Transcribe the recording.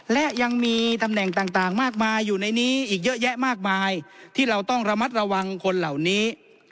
และยังมีตำแหน่งต่างมากมายอยู่ในนี้อีกเยอะแยะมากมายที่เราต้องระมัดระวังคนเหล่านี้